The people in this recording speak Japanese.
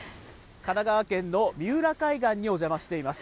神奈川県の三浦海岸にお邪魔しています。